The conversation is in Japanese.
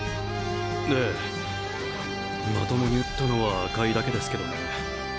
ええまともに打ったのは赤井だけですけどね。